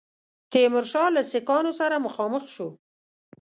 تیمورشاه له سیکهانو سره مخامخ شو.